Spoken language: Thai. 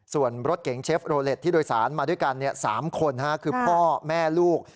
ส่วนรถเก๋งเชฟโรเล็ตที่โดยสารมาด้วยกัน๓คนคือพ่อแม่ลูก